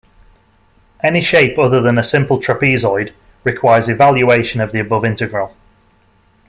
Any shape other than a simple trapezoid requires evaluation of the above integral.